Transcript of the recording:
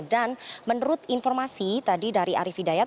dan menurut informasi tadi dari arief hidayat